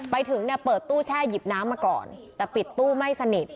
ไปถึงเนี่ยเปิดตู้แช่หยิบน้ำมาก่อนแต่ปิดตู้ไม่สนิท